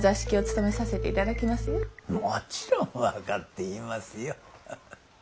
もちろん分かっていますよ。